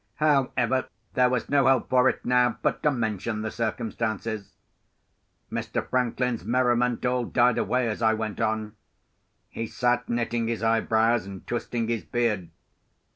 However, there was no help for it now but to mention the circumstances. Mr. Franklin's merriment all died away as I went on. He sat knitting his eyebrows, and twisting his beard.